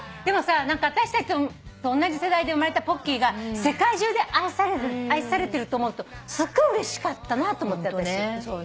私たちとおんなじ世代で生まれたポッキーが世界中で愛されてると思うとすっごいうれしかったなと思って。